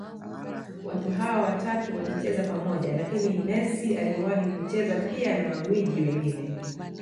watu hawa watatu wakicheza pamoja Lakini Messi aliwahi kuchezaji pia na magwiji wengine